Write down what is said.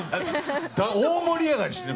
大盛り上がりしてる。